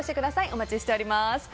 お待ちしております。